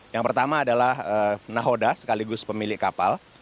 yang pertama adalah nahoda sekaligus pemilik kapal